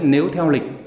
nếu theo lịch